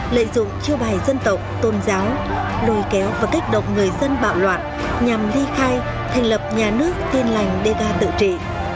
lợi dụng chiêu bày dân tộc tôn giáo lùi kéo và kích động người dân bạo loạn nhằm ly khai thành lập nhà nước tin lành đề ga tự trị